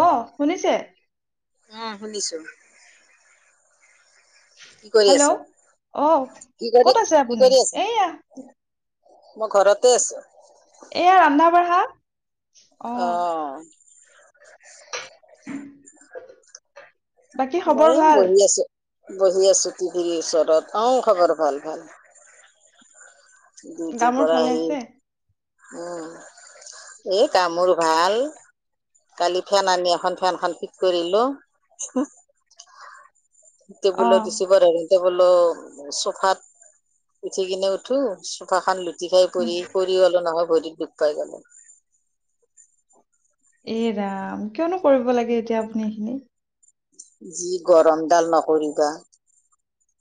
অ' শুনিছে। অ' শুনিছো। কি কৰি হেল্ল' আছা?, অহ কি কৰি ক'ত আছে কি আপুনি কৰি আছা? এইয়া মই ঘৰতে আছোঁ। এয়া ৰান্ধা-বাঢ়া। অহ। বাকী খবৰ মইও ভাল বহি আছোঁ। বহি আছোঁ, টিভিৰ ওচৰত, অ' খবৰ ভাল, ভাল। গা দুউটিৰ মূৰ পৰা ভালে আহি আছে উম এ কামোৰ ভাল। কালি ফেন আনি এখন ফেনখন ফিট কৰিলোঁ। টেবুলত। অহ [unintelligible] [unintelligible] বোলো, চোফাত উঠি কিনে উঠো, চোফা খান লুটি খাই পৰি পৰি গ'লো নহয় ভৰিত দুখ পাই গ'লো। এ ৰাম কিয়নো কৰিব লাগে, এতিয়া আপুনি এইখিনি। যি গৰম ডাল নকৰিবা,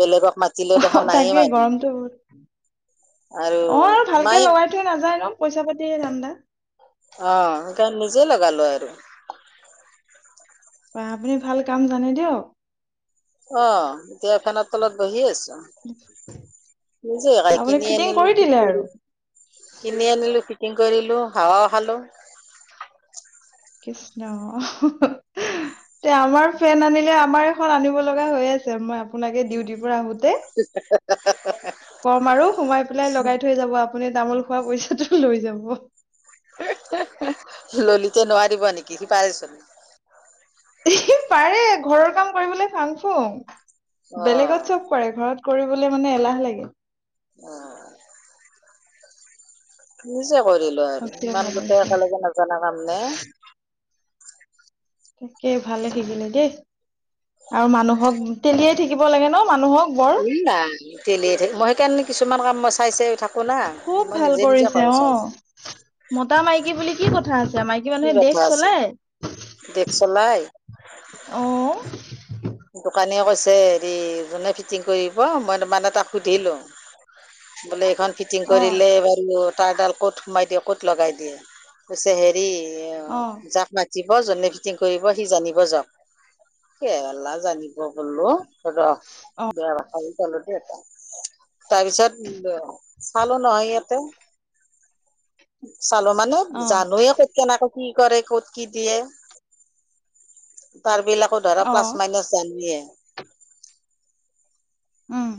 বেলেগক মা অহ তাকে গৰমটো বহুত, অ' আৰু মায়ে ভালকে লগাই নাযায় নহ পইচা পাতিৰে ধান্দা। অ' সেইকাৰণে নিজে লগালো আৰু। বাহ আপুনি ভাল কাম জানে দিয়ক। অ' এতিয়া ফেনৰ তলত বহি আছোঁ। নিজে, [unintelligible] আপুনি কিনি ফিটিং কৰি আনিলোঁ ফিট দিলে আৰু কৰিলোঁ। কিনি আনিলোঁ, ফিটিং কৰিলোঁ, হাৱাও খালোঁ। কৃষ্ণ। তে আমাৰ ফেন আনিলে, আমাৰ এখন আনিব লগা হৈ আছে, মই আপোনাকে ডিউটিৰ পৰা আহো [unintelligible] কম আৰু সোমাই পেলাই লগাই থৈ যাব, আপুনি তামোল খোৱা পইচাটো লৈ যাব। ললিতে নোৱাৰিব নেকি? সি পাৰে চোন। এ সি পাৰে ঘৰৰ কাম কৰিবলৈ ফাং ফুং, অ বেলেগত চব কৰে ঘৰত, কৰিবলে মানে এলাহ লাগে। অ' নিজে কৰিলো আৰু সঁচাই ইমান মানে গোটেই একেলগে নজানা কাম নে। তাকে, ভালে থাকিলে দেই। আৰু মানুহক তেলিয়াই থাকিব লাগে ন, মানুহক বৰ। ই নাই, তেলিয়ে থাক, মই সেইকাৰণে কিছুমান কাম মই চাই চাই, থাকো না, মই নিজে, নিজে কৰো চব। মতা-মাইকী বুলি কি কথা আছে, মাইকী মানুহে দেশ চলাই। দেশ চলাই। অ', দোকানীয়ে কৈছে হেৰি, যোনে ফিটিং কৰিব মই মানে তাক সুধিলো। বোলে এইখন ফিটিং অ কৰিলে, বাৰু মোৰ তাৰ ডাল ক'ত সোমাই দিয়ে, ক'ত লগাই দিয়ে, কৈছে হেৰি, অ' যাক মাতিব, যোনে ফিটিং কৰিব, সি জানিব যাওক, সেইয়াই লাল‌, জানিব গ'লো ৰহ, অ সেয়া আহি পালো দে এতিয়া। তাৰ পিছত চালোঁ নহয়, ইয়াতে। চালো মানে অ জানুৱে কত কেনেকৈ, কি কৰে, ক'ত কি দিয়ে, তাৰ বিলাকো ধৰা অ প্লাছ মাইনাছ, [unintelligible] উম।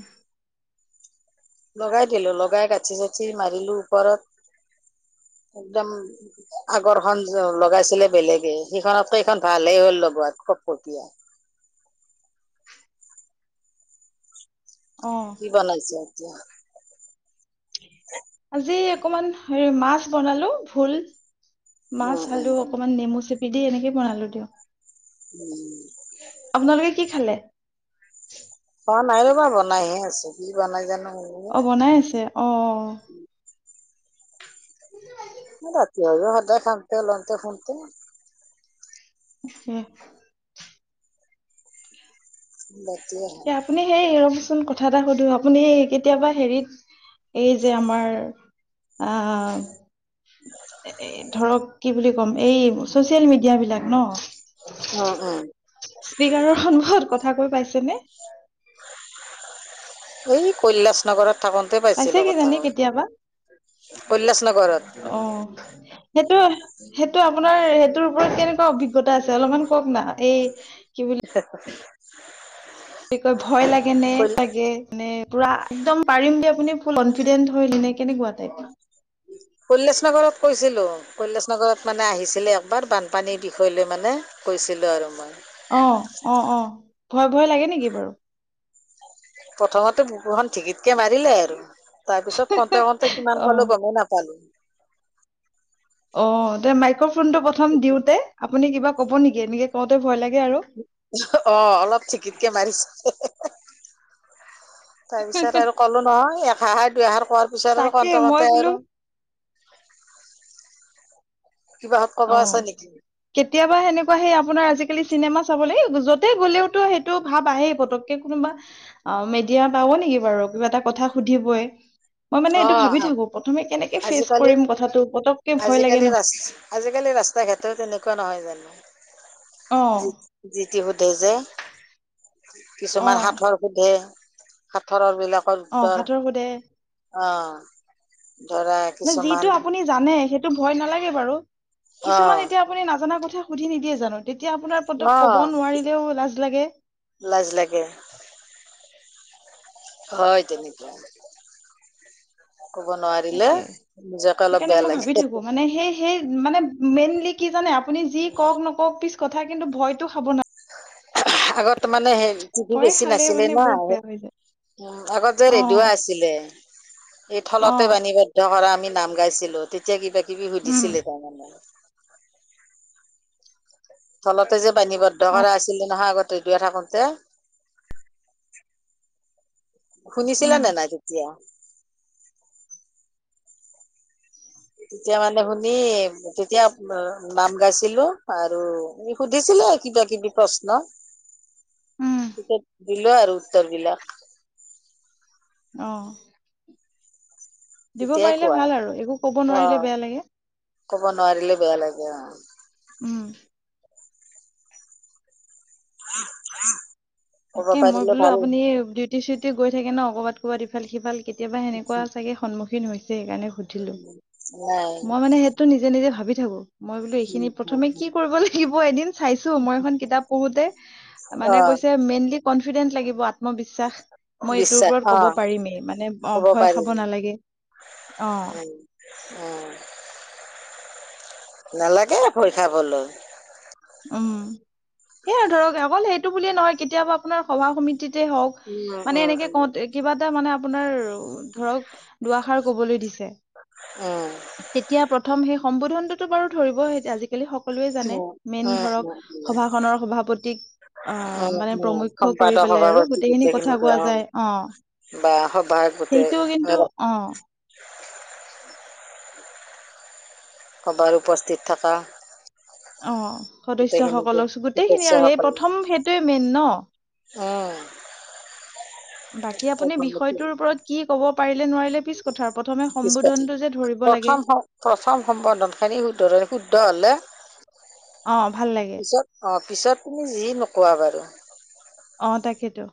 লগাই দিলো, লগাই গাঁঠি-চাঠি মাৰিলো ওপৰত, একদম। আগৰ খন লগাইছিলে বেলেগে, সিখনতকে এইখন ভালে হ'ল লগোৱাত, কতকটীয়া। অ' কি বনাইছো এতিয়া? আজি অকমান হেৰি, মাছ বনালো ভুল। মাছ, উম উম আলু অকমান নেমু চেপি দি, এনেকে বনালো দিয়ক। উম। আপোনালোকে কি খালে? হোৱা নাই ৰ'বা বনাইহে আছোঁ, কি বনাই জানো সি, অ বনাই আছে অ অ, ৰাতি হয় অ সদাই খাওতে লওঁতে শোওঁতে, হু উ ইয়াত আপুনি সেই ৰ'বচোন কথা এটা সুধো, আপুনি কেতিয়াবা হেৰিত এই যে আমাৰ আ আ এএ ধৰক কি বুলি ক'ম, এই চচিয়েল মিডিয়াাবলাক ন? অ', অ'। স্পীকাৰৰ সন্মুখত কথা কৈ পাইছে নে? এই কৈলাশ নগৰত থাকোন তে পাইছে পাইছিলো কথাা কিজানি কৈ, কেতিয়াবা কৈলাশ নগৰত। অ সেইটোয়ে। সেইটো আপোনাৰ সেইটোৰ ওপৰত কেনেকুৱা অভিজ্ঞতা আছে অলপমান কওক না এই কি বুলি- ফেটাচ কি কৈ ভয় লাগে নে কৈ টাগে। মানে পুৰা একদম পাৰিম দে আপুনি ফুল কনফিডেন্ট হয়ল নে কেনেকুৱা টাইপ কৈলাসনগৰত কৈছিলো কৈশালচনগৰত মানে আহিছিলে একবাৰ বান। পানীৰ বিষয় লৈ মানে কৈছিলোঁ আৰু মই। অঁ অঁ অঁ ভয় ভয় লাগে নেকি বাৰু। প্ৰথমতে বুকুখন ঢেঁকিতকে মাৰিলে আৰু। তাৰ পিছত খতে খটে কিমান অ পালো গমেই নাপালো। অঁ এ মাইক্ৰফোন টো প্ৰথম দিওঁতে আপুনি কিবা কব নেকি এনেকে কওঁতে ভয় লাগে আৰু। অঁ অলপ চিকিতকে মাৰিছে। তাৰ পিছত আৰু ক'লো নহয় এ খাৰ দুই এখাৰ কোৱাৰ পিছত আৰু তাকে কতে মই কতে বোলো আৰু। কিবা হত কব অ আছে নেকি? কেতিয়াবা সেনেকুৱা সেই আপোনাৰ আজিকালি চিনেমা চাব লাগ য'তে গ'লেওতো সেইটো ভাৱ আহেই পতকে। কোনোবা অ মেডিয়া পাব নেকি বাৰু কিবা এটা কথা সুধিবই। মই মানে অ এইটো ভাবি থাকো প্ৰথমে কেনেকে ফিচ কৰিম কথাটো পতককে ভয় লাগে ন। আচ আজিকালি ৰাস্তা ঘাটেই তেনেকুৱা নহয় জানো। অ যিটি সোধে যে অ কিছুমান হাঠৰ- সুধে সাঁথৰৰ বিলাক- অঁ সাঠৰ সুধে। অঁ ধৰা। কিছুমান যিটো আপুনি জানে সেইটো ভয় নালাগে বাৰু অ কিছুমান এতিয়া। আপুনি নাজানা কথা সুধি নিদিয়ে জানো তেতিয়া আপোনাৰ পতক অ ক'ব নোৱাৰিলেও লাজ লাগে। লাজ লাগে। হয়ঁ তেনেকৈ কব নোৱাৰিলে তাকে নিজকে অলপ সেইকাৰণে বেয়া মই লাগে ভাবি হে থাকো হে। মানে সেই সেই মানে মেইনলি কি জানে আপুনি যি কওক নকওক পি কথা কিন্তু ভয়তো খাব নয় আগত। ত মানে সেই টিভি ভয় বেছি খালে নাছিলে মানে ন বহুত উ বেয়া হৈ যায় আগত যে অ ৰেডিঅ' আছিলে। এই অ থলতে বাণীবদ্ধ কৰা আমি নাম গাইছিলো তেতিয়া কিবা কিবি উম সুধিছিলে তাৰমানে। তলতে যে বাণীবদ্ধ কৰা আছিলে নহয় আগত ৰেডিঅ' থাকোতে। [unintelligible] শুনিছিলা উম নে নাই তেতিয়া। তেতিয়া মানে শুনি- তেতিয়া নাম গাইছিলো আৰু সুধিছিলে কিবা কিবি প্ৰশ্ন [inaudible] দিলো আৰু উত্তৰ বিলাক। অঁ! দিব তেতিয়াই পাৰিলে কোৱা ভাল আৰু একো ক'ব অ নোৱাৰিলে বেয়া লাগে। ক'ব নোৱাৰিলে বেয়া লাগে অঁ। উমঁ। [inaudible] কব তাকে মই পাৰিলে বোলো ভাল আপুনি দিত- চুটি চুটি গৈ থাকে ন ক'ৰবাত কৰবাত ইফাল সিফাল কেতিয়াবা সেনেুৱা চাগে সন্মখিন হৈছে সেইকাৰে সুধি উঠিলো নাই মই মানে সেইটো নিজে নিজে ভাবি থাকো মই বোলো উম, এইখিনি উম, প্ৰথমে কি উম। কৰিব লাগিব এদিন চাইছো মই এখন কিতাপ পঢ়োতে অ মানে কৈছে মেইনলি কনফিডেন্ট লাগিব আত ত্মবিশ্বাস মই এইটোৰ বিশ্বাস ওপৰত অ ক'ব পাৰিমেই মানে অ কব ভয় পাৰিম খাব নালাগে অ উম উম নালাগে ভয় খাবলৈ উম সেইয়া ধৰক অকল সেইটো বুলিয়ে নহয় কেতিয়াবা আপোনাৰ সভা সমিতিতে হওক, উম, মানে উম, এনেকে উম। কওঁত কিবা এটা মানে আপোনাৰ ধৰক দুআষাৰ কবলৈ দিছে। উম তেতিয়া প্ৰথম সেই সম্বোধনটোতো বাৰু ধৰিব আজিকালি সকলোৱে জানে। মেইন উম, ধৰক উম, উম, সভাখনৰ সভাপতিক অ উম, মানে উম, উম, প্ৰমুখ্য কৰি সম্পাদক পেলাই আৰু সভাপতি গোটেইখিনি কথা গোটেইখিনিকে কোৱা যায় অ, বা সভায়ে গোটে হয় বা অঁ সভাৰ উপস্থিত থাকা অ সদস্যসকলক গোটেইখিনি আৰু সেই সদস্যসকলে প্ৰথম সেইটোৱে মেইন ন উম বাকী আপুনি বিষয়টোৰ ওপৰত কি কব পাৰিলে নোৱাৰিলে, পিছ কথা প্ৰথমে পিছ পাতি সম্বোধনটো যে ধৰিব লাগে। প্ৰথম প্ৰথম সম্বৰ্ধন খিনি শুধৰই শুদ্ধ হ'লে অঁ ভাল লাগে পিছত অ পিছত তুমি যি নোকোৱা বাৰু অ তাকেইতো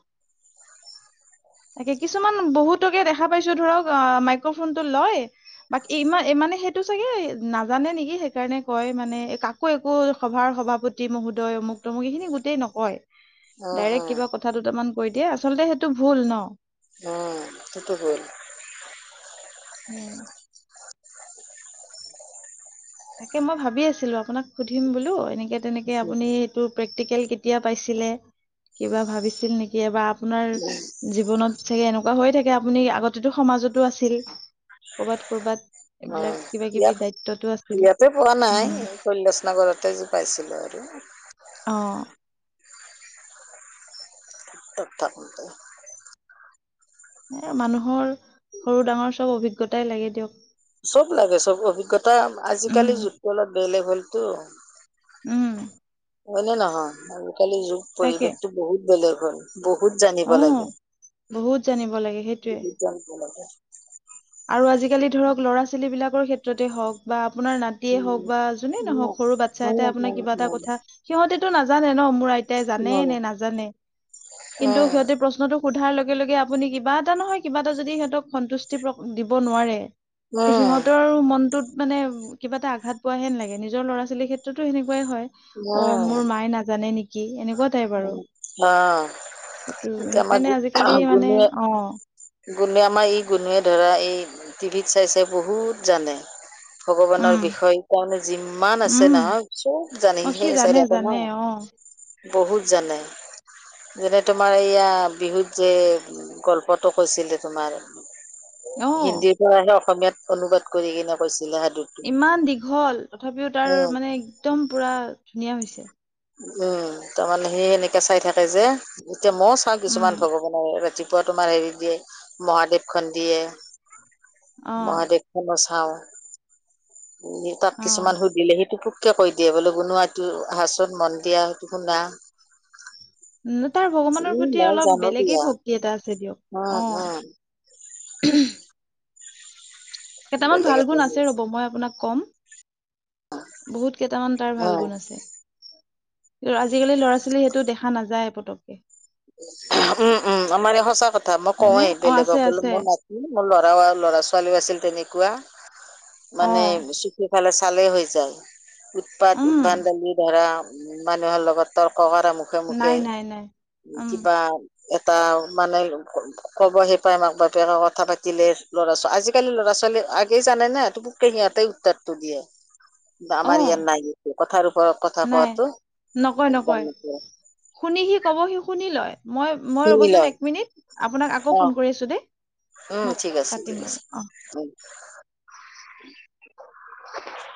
তাকে কিছুমান বহুতকে দেখা পাইছো ধৰক আ মাইক্ৰফোন টো লয় বাক ইমান মানে সেইটো চাগে নাজানে নেকি সেইকাৰণে কয় মানে কাক একো একো সভাৰ সভাপতি মহোদয় মোক ত মো এখিনি গোটেই নকয় উম, ডাইৰেক্ট উম, কিবা কথা দুটামান কৈ দিয়ে আচলতে সেইটো ভুল ন! [unintelligible] উম সেটো ভূল [unintelligible] উম তাকে মই ভাবি আছিলো আপোনাক সুধিম বোলো এনেকে তেনেকে আপুনি তো প্ৰেক্টিকেল কেতিয়া পাইছিলে কিবা ভাবিছিল নিকি এবাৰ আপোনাৰ জীৱনত চাগে এনেকুৱা হৈয়ে থাকে আপুনি আগতেতো সমাজতো আছিল। কবাত কৰ'বাত এইবিলাক অ', কিবা কিবি ইয়াত দায়িত্বতো আছে ইয়াতে পোৱা নাই কৈলাসনগৰতে যি পাইছিলো আৰু অঁ তাত থাকোতে এ মানুহৰ সৰু ডাঙৰ চব অভিজ্ঞতাই লাগে দিয়ক। চব লাগে চব অভিজ্ঞতা উম আজিকালি যুগটো অলপ বেলেগ হলতো, উম হয় নে নহয় আজিকালি যোগ তাকে পৰিৱেশটো বহুত বেলেগ হ'ল বহুত জানি অ বহুত জানিব লাগে সেইটোয়ে বহুত জানিব লাগে আৰু আজিকালি ধৰক ল'ৰা ছোৱালী বিলাকৰ ক্ষেত্ৰতে হওক বা আপোনাৰ নাতিয়ে হওক বা যোনে নহওক সৰু বাচ্ছা এটাই আপোনাক কিবা এটা কথা সিহঁতেতো নাজানে ন মোৰ আইতাই জানে নে নাজানে কিন্তু সিহঁতে প্ৰশ্নটো সোধাৰ লগে লগে আপুনি কিবা এটা নহয় কিবা এটা যদি সিহঁতক সন্তুষ্টি দিব নোৱাৰে সিহঁতৰ মনটোত মানে কিবা এটা আঘাত পোৱাহে নালাগে নিজৰ ল'ৰা-ছোৱালীৰ ক্ষেত্ৰতো সেনেকুৱাই হয়। অ মোৰ মায়ে নাজানে নে কি এনেকুৱা টাইপ আৰু উম অ সেইটো এতিয়া আমাৰ সেইকাৰণে আজিকালি মানে অ গুণোৱে আমাৰ এই গুণোৱে ধৰা এই টিভিত চাই চাই বহুত জানে ভগৱানৰ উম বিষয়ে তাৰমানে যিমান আছে উম নহয় চব জানে অ সি সেই জানে চাইদে আছে জানে ন অ বহুত জানে যেনে তোমাৰ এয়া বিহুত যে গল্প টো কৈছিলে তোমাৰ অ হিন্দীৰ ল'ৰাটোৱে অসমীয়াত অনুবাদ কৰি কিনে কৈছিলে সাধু ইমান দীঘল তথাপিও তাৰ মানে একদম পুৰা ধুনীয়া হৈছে উম তাৰমানানে সি সেনেকা চাই থাকে যে এতিয়া ময় চাওঁ উম কিছুমান ভগৱানে ৰাতি পোৱা তোমাৰ হেৰি দিয়ে মহাদেৱ খন দিয়ে অ মহাদেৱ মই চাওঁ উম দেউতাক অ কিছুমান সুধিলেহে সেটোটো কিয় কৈ দিয়ে বোলো বুনোৱা এইটো আহাচত, মন দিয়া, সেইটো শুনা তাৰ ভগৱানৰ প্ৰতি মই অলপ জানো বেলেগে দিয়া ভক্তি এটা আছে দিয়ক উম অ উম কেইটামান বেলেগ ভাল এটা গুণ আছে হেৰি। ৰ'ব মই আপোনাক ক'ম বহুত কেটামান তাৰ ভাল উম, গুণ আছে আজিকালি ল'ৰা-ছোৱালী সেইটো দেখা নাযায় পতককে উম উম আমাৰ এই সঁচা কথা মই হয়নে কওঁৱেই অ বেলেগক আছে বোলো আছে মন নাই উ মোৰ লৰা ল'ৰা-ছোৱালীও আছিল তেনেকুৱা অ মানে বে সিফালে চালে হৈ যায় উৎপাত, উম উদ্ভান্ডালি ধৰা উম মানুহৰ লগত তৰ্ক কৰা মু নাই নাই নাই উম কিবা এটাও মানে ক'বহে পাই মাক-বাপেক কথা পাতিলে ল'ৰা ছ আজিকালি ল'ৰা-ছোৱালী আগেই জানে নে পোটোককে সিহঁতে টেতটো দিয়ে [inaudible] আমাৰ ইয়াত নাই সেইটো কথাৰ ওপৰত কথা নাই কোৱাটো একদম নিদিয়ে শুনিহি কবহি শুনি লয় মই মই শুনি ৰ'বচোন লয় এক মিনিট আপোনাক আকৌ অ'। ফোন কৰি আছো দেই উম মোক ঠিক আছে ঠিক পাতিম আছে আৰু অ [unintelligible]